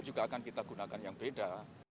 juga akan kita gunakan yang beda